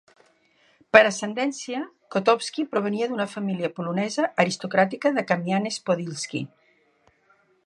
Per ascendència, Kotovski provenia d'una família polonesa aristocràtica de Kàmianets-Podilski.